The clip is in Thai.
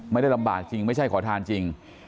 ไม่ได้ลำบากจริงไม่ใช่ขอทานจริง